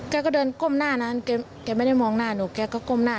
แกก็เดินก้มหน้านั้นแกไม่ได้มองหน้าหนูแกก็ก้มหน้า